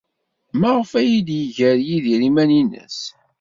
Maɣef ay d-yeggar Yidir iman-nnes?